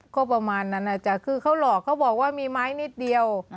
ก็ประมาณนั้นนะจ๊ะคือเขาหลอกเขาบอกว่ามีไม้นิดเดียว